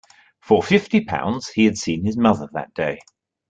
For fifty pounds he had seen his mother that day.